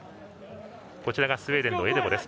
こちらがスウェーデンのエデボ。